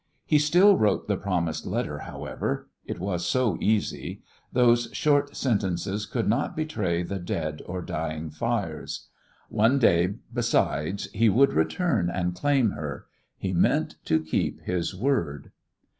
He still wrote the promised letter, however; it was so easy; those short sentences could not betray the dead or dying fires. One day, besides, he would return and claim her. He meant to keep his word.